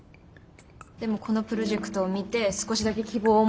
でもこのプロジェクトを見て少しだけ希望を。